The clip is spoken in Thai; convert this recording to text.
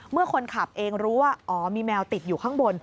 เมื่อคนขับเองรู้ว่าอ๋อมีแมวติดอยู่ข้างบน